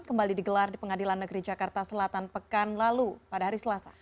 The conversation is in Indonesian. kembali digelar di pengadilan negeri jakarta selatan pekan lalu pada hari selasa